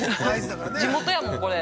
◆地元やもん、これ。